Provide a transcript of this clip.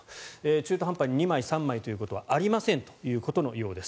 中途半端に２枚、３枚ということはあり得ませんということのようです。